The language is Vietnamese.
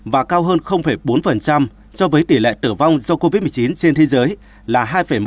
và cao hơn bốn so với tỷ lệ tử vong do covid một mươi chín trên thế giới là hai một